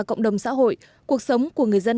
cộng đồng xã hội cuộc sống của người dân